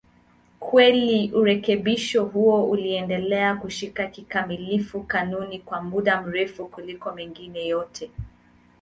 Kweli urekebisho huo uliendelea kushika kikamilifu kanuni kwa muda mrefu kuliko mengine yote.